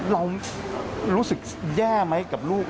เรารู้สึกแย่ไหมกับลูก